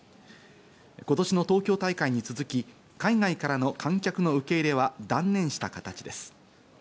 今年の東京大会に続き、海外からの観客の受け入れは断念した形です。